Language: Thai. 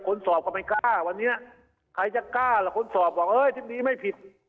สอบก็ไม่กล้าวันนี้ใครจะกล้าล่ะคนสอบบอกเอ้ยที่ดีไม่ผิด